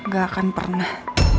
gak akan pernah